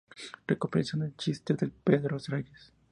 Recopilación de chistes de Pedro Reyes